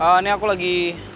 ini aku lagi